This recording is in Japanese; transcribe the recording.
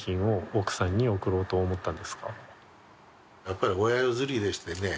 やっぱり親譲りでしてね